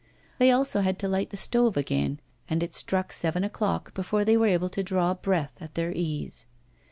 They also had to light the stove again, and it struck seven o'clock before they were able to draw breath at their ease.